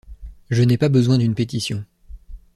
Je n'ai pas besoin d'une pétition.